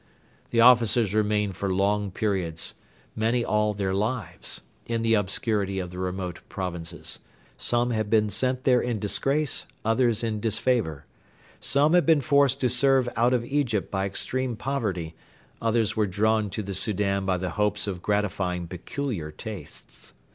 The officers remained for long periods, many all their lives, in the obscurity of the remote provinces. Some had been sent there in disgrace, others in disfavour. Some had been forced to serve out of Egypt by extreme poverty, others were drawn to the Soudan by the hopes of gratifying peculiar tastes.